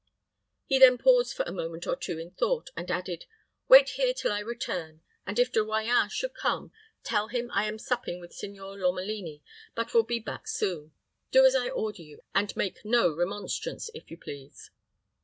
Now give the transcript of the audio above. He then paused for a moment or two in thought, and added, "Wait here till I return, and if De Royans should come, tell him I am supping with Signor Lomelini, but will be back soon. Do as I order you, and make no remonstrance, if you please."